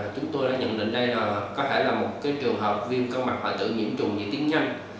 chúng tôi đã nhận định đây là có thể là một trường hợp viêm cân mạc hoại tử nhiễm trùng diễn tiến nhanh